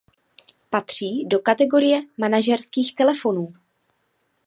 Patří do kategorie manažerských telefonů.